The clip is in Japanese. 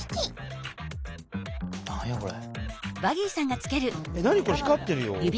何やこれ？